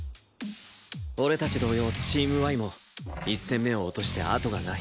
俺たち同様チームＹも１戦目を落として後がない。